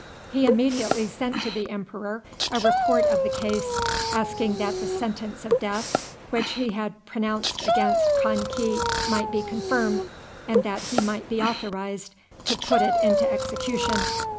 He immediately sent to the emperor a report of the case, asking that the sentence of death which he had pronounced against Kan ki might be confirmed, and that he might be authorized to put it into execution.